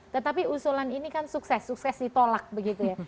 tetapi usulan ini kan sukses sukses ditolak begitu ya